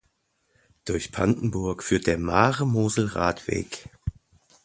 Durch Pantenburg führt der Maare-Mosel-Radweg.